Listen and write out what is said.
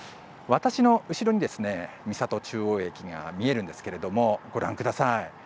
私の後ろに三郷中央駅が見えるんですがご覧ください。